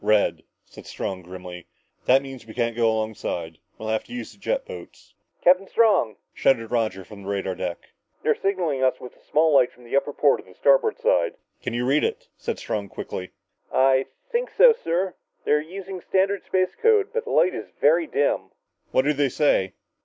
"Red!" said Strong grimly, "That means we can't go alongside. We'll have to use jet boats." "Captain Strong," shouted Roger from the radar deck, "they're signaling us with a small light from the upper port on the starboard side!" "Can you read it?" asked Strong quickly. "I think so, sir. They're using standard space code, but the light is very dim." "What do they say?"